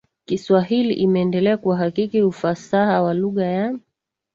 kiswahili Imeendelea kuhakiki ufasaha wa lugha ya